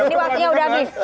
ini waktunya sudah habis